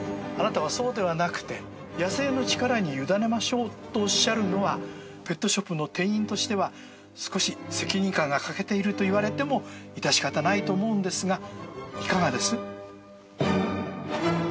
あなたはそうではなくて野生の力に委ねましょうとおっしゃるのはペットショップの店員としては少し責任感が欠けているといわれても致し方ないと思うんですが。